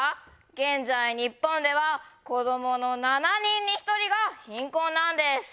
現在日本では子どもの７人に１人が貧困なんです。